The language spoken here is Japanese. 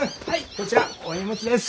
こちらお荷物です！